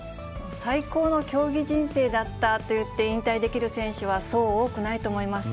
最高の競技人生だったと言って引退できる選手はそう多くないと思います。